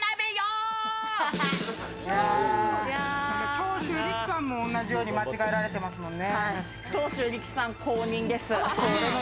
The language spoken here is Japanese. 長州力さんも同じように間違えられていますもんね。